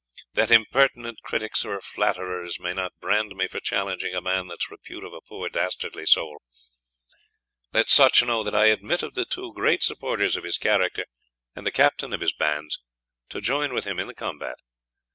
That impertinent criticks or flatterers may not brand me for challenging a man that's repute of a poor dastardly soul, let such know that I admit of the two great supporters of his character and the captain of his bands to joyne with him in the combat.